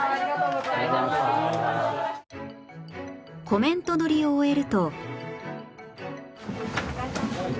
コメント撮りを終えると